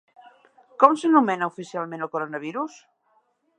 Com s'anomena oficialment al coronavirus?